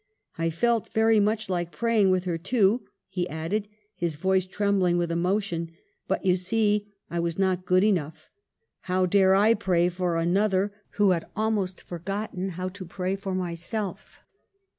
I felt very much like praying with her too,' he added, his voice trembling with emotion, ' but you see I was not good enough. How dare I pray for another, who had almost forgotten how to pray for myself